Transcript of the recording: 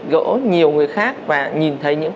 gỡ nhiều người khác và nhìn thấy những